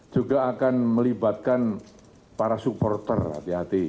juga akan melibatkan para supporter hati hati